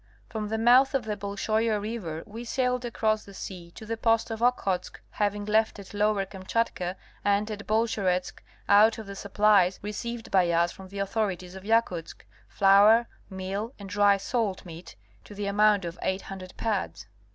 From the mouth of the Bolshoia river we sailed across the sea to the post of Okhotsk having left at Lower Kam chatka and at Bolsheretsk, out of the supplies received by us from the authorities of Yakutsk, flour, meal and dry salt meat to the amount of 800 puds.